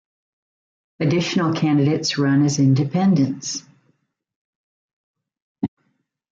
Additional candidates run as independents.